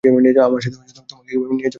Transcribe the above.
আমার সাথে তোমাকে কীভাবে নিয়ে যাবো?